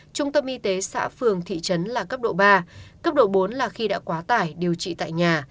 trung tâm y tế xã phường thị trấn là cấp độ ba cấp độ bốn là khi đã quá tải điều trị tại nhà